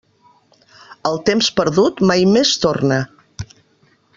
El temps perdut mai més torna.